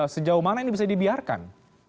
sejauh mana ini bisa dibiarkan